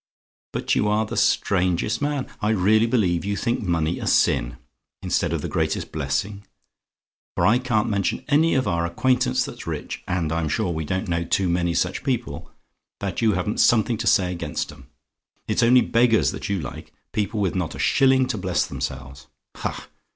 But you are the strangest man! I really believe you think money a sin, instead of the greatest blessing; for I can't mention any of our acquaintance that's rich and I'm sure we don't know too many such people that you haven't something to say against 'em. It's only beggars that you like people with not a shilling to bless themselves. Ha!